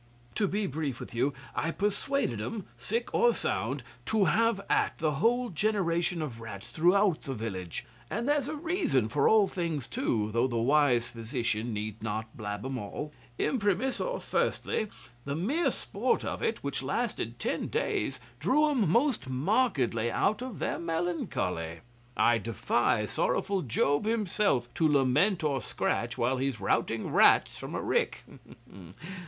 To be brief with you, I persuaded 'em, sick or sound, to have at the whole generation of rats throughout the village. And there's a reason for all things too, though the wise physician need not blab 'em all. Imprimis, or firstly, the mere sport of it, which lasted ten days, drew 'em most markedly out of their melancholy. I'd defy sorrowful job himself to lament or scratch while he's routing rats from a rick.